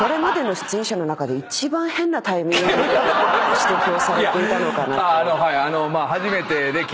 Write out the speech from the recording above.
指摘をされていたのかなと。